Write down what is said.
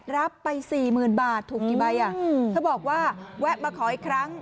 รับไปสี่หมื่นบาทถูกกี่ใบอ่ะเธอบอกว่าแวะมาขออีกครั้ง